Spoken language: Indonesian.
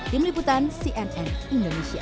tim liputan cnn indonesia